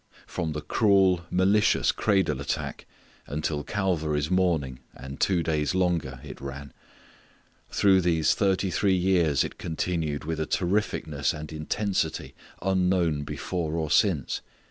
From the cruel, malicious cradle attack until Calvary's morning and two days longer it ran. Through those thirty three years it continued with a terrificness and intensity unknown before or since.